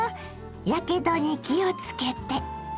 やけどに気をつけて。